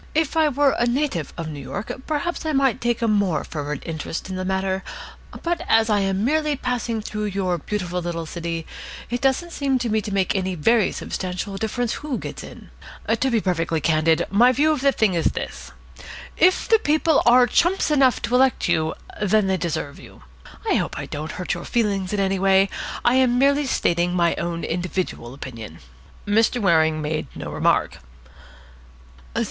If I were a native of New York, perhaps I might take a more fervid interest in the matter, but as I am merely passing through your beautiful little city, it doesn't seem to me to make any very substantial difference who gets in. To be absolutely candid, my view of the thing is this. If the People are chumps enough to elect you, then they deserve you. I hope I don't hurt your feelings in any way. I am merely stating my own individual opinion." Mr. Waring made no remark.